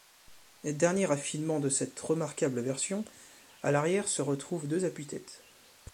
Dernier raffinement de cette remarquable version, à l'arrière se retrouvent deux appuis-têtes.